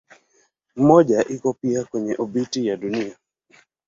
Mmoja iko pia kwenye obiti ya Dunia.